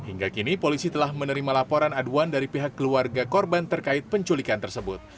hingga kini polisi telah menerima laporan aduan dari pihak keluarga korban terkait penculikan tersebut